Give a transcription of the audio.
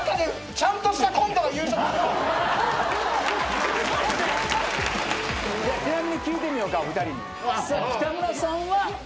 ちなみに聞いてみようか２人に。